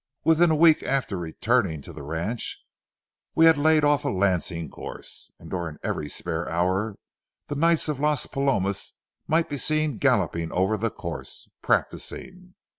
Within a week after returning to the ranch, we laid off a lancing course, and during every spare hour the knights of Las Palomas might be seen galloping over the course, practicing.